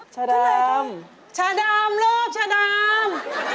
ชาดามชาดามโลกชาดาม